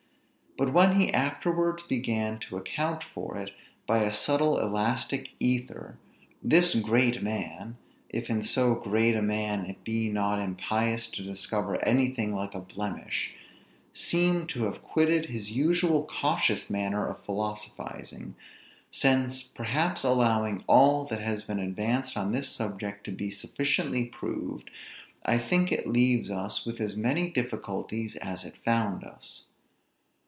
But when he afterwards began to account for it by a subtle elastic ether, this great man (if in so great a man it be not impious to discover anything like a blemish) seemed to have quitted his usual cautious manner of philosophizing; since, perhaps, allowing all that has been advanced on this subject to be sufficiently proved, I think it leaves us with as many difficulties as it found us.